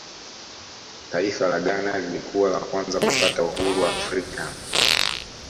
taifa la ghana lilikuwa la kwanza kupata uhuru afrika